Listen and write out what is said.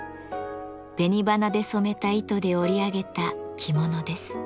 紅花で染めた糸で織り上げた着物です。